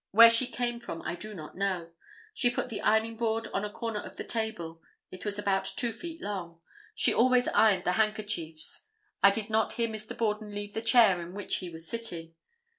Where she came from I do not know. She put the ironing board on a corner of the table. It was about two feet long. She always ironed the handkerchiefs. I did not hear Mr. Borden leave the chair in which he was sitting.